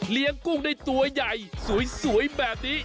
กุ้งได้ตัวใหญ่สวยแบบนี้